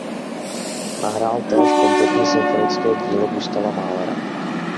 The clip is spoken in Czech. Nahrál též kompletní symfonické dílo Gustava Mahlera.